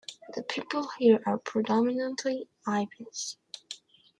The people here are predominantly Ibans.